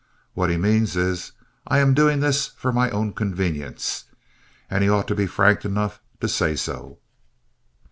What he means is, "I am doing this for my own convenience," and he ought to be frank enough to say so.